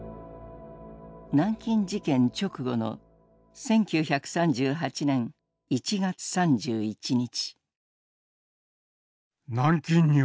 南京事件直後の１９３８年１月３１日。